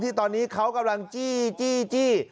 ตอนนี้เขากำลังจี้